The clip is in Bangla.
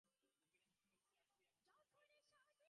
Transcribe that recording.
দুখিরাম সাক্ষ্য দিতে আসিয়া, মূর্ছিত হইয়া পড়িল।